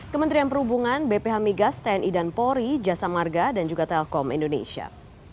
kementerian perhubungan bph migas tni dan polri jasa marga dan juga telkom indonesia